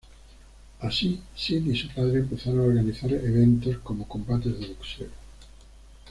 Así, Sid y su padre empezaron a organizar eventos como combates de boxeo.